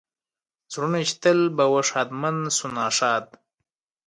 زړونه چې تل به و ښادمن شو ناښاد.